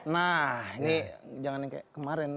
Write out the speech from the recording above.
nah ini jangan yang kayak kemarin